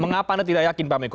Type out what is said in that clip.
mengapa anda tidak yakin pak miko